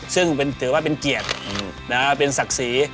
ซึ่งถือว่าเป็นเกียรติเป็นศักดิ์ศรี